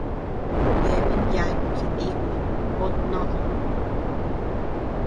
Yeabean yaku jinikuy pö tnoʼö.